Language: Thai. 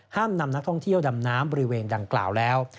นำนักท่องเที่ยวดำน้ำบริเวณดังกล่าวแล้ว